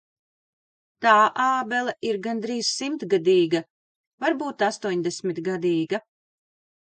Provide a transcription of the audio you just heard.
Tā ābele ir gandrīz simtgadīga, varbūt astoņdesmitgadīga.